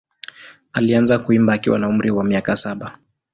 Alianza kuimba akiwa na umri wa miaka saba.